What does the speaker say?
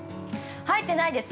◆入ってないです。